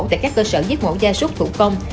tại các cơ sở giết mổ gia súc thủ công